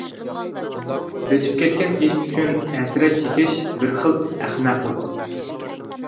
ئۆتۈپ كەتكەن ئىش ئۈچۈن ھەسرەت چېكىش بىر خىل ئەخمەقلىق.